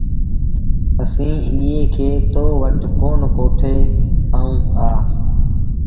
اسيٚݩٚ ايٚئي کي توٚݩ وٽ ڪون ڪوٺي آئو هآ۔